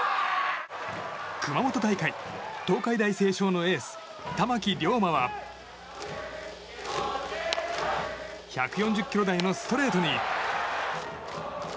熊本大会、東海大星翔のエース玉木稜真は１４０キロ台のストレートに。